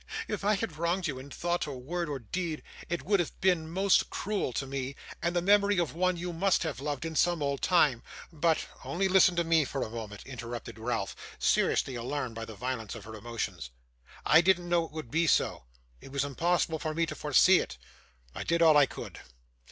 If I had wronged you in thought, or word, or deed, it would have been most cruel to me, and the memory of one you must have loved in some old time; but ' 'Only listen to me for a moment,' interrupted Ralph, seriously alarmed by the violence of her emotions. 'I didn't know it would be so; it was impossible for me to foresee it. I did all I could.